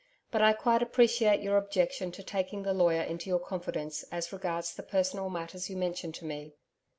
But I quite appreciate your objection to taking the lawyer into your confidence as regards the personal matters you mention to me.